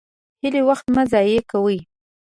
هلئ! وخت مه ضایع کوئ!